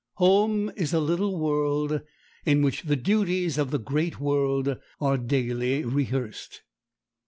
Home is a little world, in which the duties of the great world are daily rehearsed.